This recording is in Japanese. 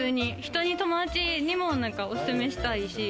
友達にもおすすめしたいし。